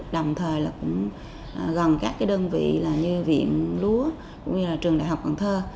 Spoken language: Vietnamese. đồng thời là cũng gần các đơn vị như viện lúa cũng như là trường đại học cần thơ